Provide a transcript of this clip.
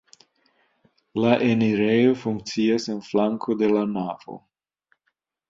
La enirejo funkcias en flanko de la navo.